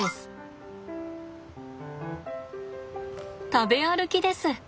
食べ歩きです。